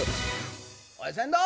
「おい船頭」。